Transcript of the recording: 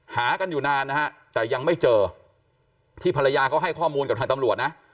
หากันอยู่นานนะฮะแต่ยังไม่เจอที่ภรรยาเขาให้ข้อมูลกับทางตำรวจนะ